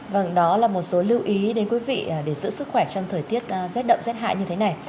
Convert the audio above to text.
vâng đó là một số lưu ý đến quý vị để giữ sức khỏe trong thời tiết rét đậm rét hại như thế này